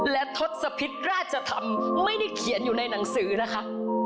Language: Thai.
และทศพิษราชธรรมไม่ได้เขียนอยู่ในหนังสือนะคะ